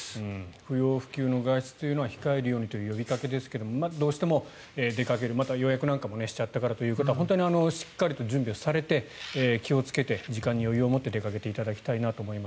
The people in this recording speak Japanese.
不要不急の外出は控えるようにという呼びかけですがどうしても出かけるまた、予約なんかしちゃったという方は本当にしっかりと準備されて気をつけて時間に余裕を持って出かけていただきたいと思います。